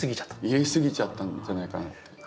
入れ過ぎちゃったんじゃないかなって。